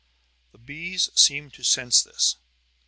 The bees seemed to sense this.